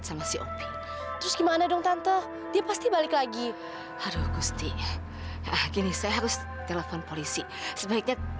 sampai jumpa di video selanjutnya